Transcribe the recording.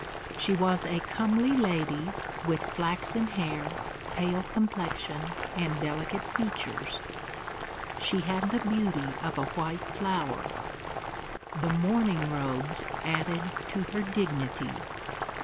She was a comely lady, with flaxen hair, pale complexion, and delicate features. She had the beauty of a white flower. The mourning robes added to her dignity.